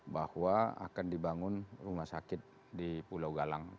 bahwa akan dibangun rumah sakit di pulau galang